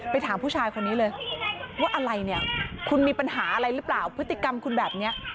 ถามผู้ชายคนนี้เลยว่าอะไรเนี่ยคุณมีปัญหาอะไรหรือเปล่าพฤติกรรมคุณแบบนี้